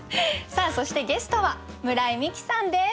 さあそしてゲストは村井美樹さんです。